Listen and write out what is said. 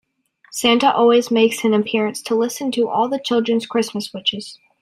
Santa always makes an appearance to listen to all the children's Christmas wishes.